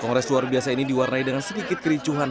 kongres luar biasa ini diwarnai dengan sedikit kericuhan